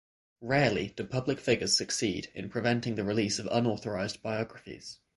Rarely do public figures succeed in preventing the release of unauthorized biographies.